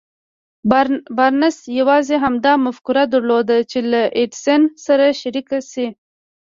بارنس يوازې همدا مفکوره درلوده چې له ايډېسن سره شريک شي.